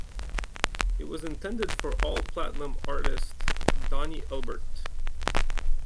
It was intended for All Platinum artist Donnie Elbert.